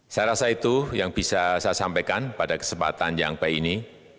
saya rasa itu yang bisa saya sampaikan pada kesempatan yang baik ini